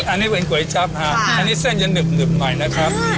อันนี้เป็นก๋วยจั๊บฮะอันนี้เส้นจะหนึบหน่อยนะครับ